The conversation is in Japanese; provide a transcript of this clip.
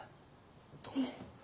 どうも。